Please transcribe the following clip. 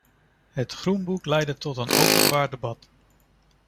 Het groenboek leidde tot een openbaar debat.